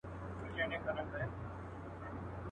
بیا به راسي په سېلونو بلبلکي.